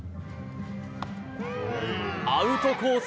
アウトコース